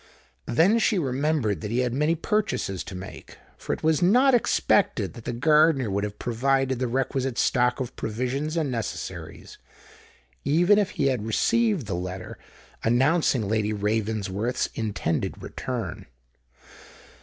Then she remembered that he had many purchases to make; for it was not expected that the gardener would have provided the requisite stock of provisions and necessaries, even if he had received the letter announcing Lady Ravensworth's intended return.